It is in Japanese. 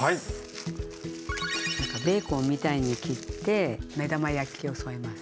何かベーコンみたいに切って目玉焼きを添えます。